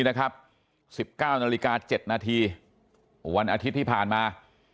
๑๙๐๗นวันอาทิตย์ที่ผ่านมา